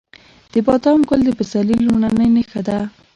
د بادام ګل د پسرلي لومړنی نښه ده.